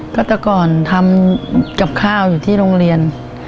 ก็แต่ก่อนทำกับข้าวอยู่ที่โรงเรียน